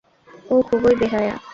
ও খুবই বেহায়া।